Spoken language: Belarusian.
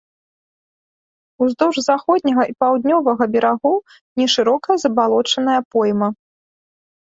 Уздоўж заходняга і паўднёвага берагоў нешырокая забалочаная пойма.